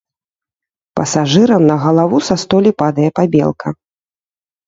Пасажырам на галаву са столі падае пабелка.